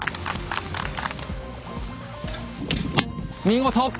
見事！